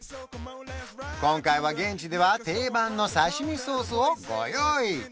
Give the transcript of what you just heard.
今回は現地では定番の刺身ソースをご用意